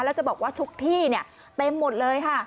แล้วจะบอกว่าทุกที่เนี่ยเต็มหมดเลยค่ะ